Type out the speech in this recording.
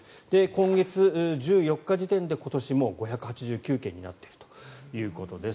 今月１４日時点で今年もう５８９件になっているということです。